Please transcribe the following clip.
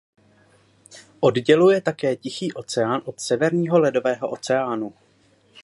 Odděluje také Tichý oceán od Severního ledového oceánu.